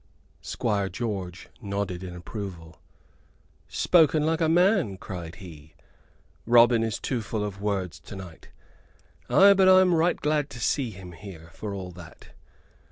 Squire George nodded in approval. "Spoken like a man," cried he. "Robin is too full of words to night. Ay, but I am right glad to see him here, for all that!